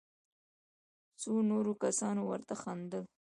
څو نورو کسانو ورته خندل.